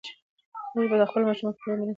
موږ د خپلو مشرانو فکري میراث په ویاړ یادوو.